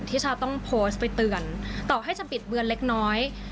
ที่ชาต้องโพสต์ไปเตือนต่อให้จะบิดเบือนเล็กน้อย